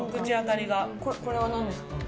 これは何ですか？